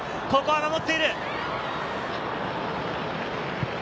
ここは守っている。